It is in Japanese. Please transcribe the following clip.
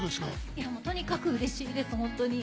いや、もうとにかくうれしいです、本当に。